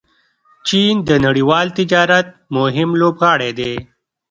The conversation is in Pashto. چین د نړیوال تجارت مهم لوبغاړی دی.